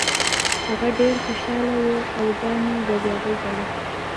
هغه ډیر خوشحاله و او ځان یې بریالی ګاڼه.